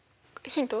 ヒント。